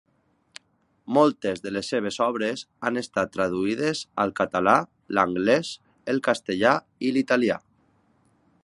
Moltes de les seves obres han estat traduïdes al català, l'anglès, el castellà i l'italià.